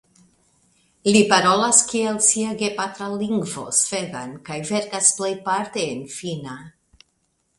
Li parolas kiel sia gepatra lingvo svedan sed verkas plejparte en finna.